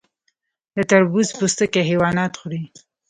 د تربوز پوستکي حیوانات خوري.